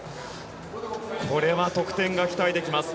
これは得点が期待できます。